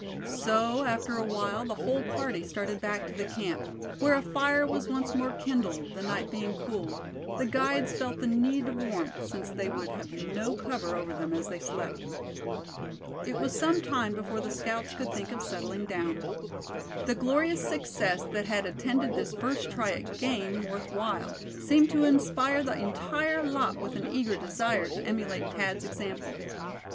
So after a while the whole party started back to the camp, where a fire was once more kindled, the night being cool, the guides felt the need of warmth, since they would have no cover over them as they slept. It was some time before the scouts could think of settling down. The glorious success that had attended this first try at game worth while, seemed to inspire the entire lot with an eager desire to emulate Thad's example.